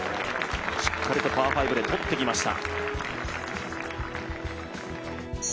しっかりとパー５でとってきました。